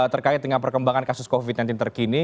terkait dengan perkembangan kasus covid sembilan belas terkini